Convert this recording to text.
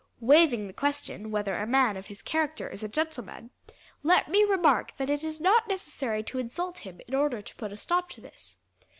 "Waving the question whether a man of his character is a gentleman, let me remark that it is not necessary to insult him in order to put a stop to this.